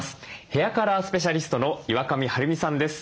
ヘアカラースペシャリストの岩上晴美さんです。